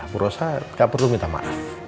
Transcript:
bu rosa gak perlu minta maaf